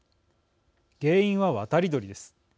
原因は、渡り鳥です。